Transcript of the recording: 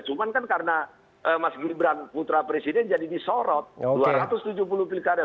cuma kan karena mas gibran putra presiden jadi disorot dua ratus tujuh puluh pilkada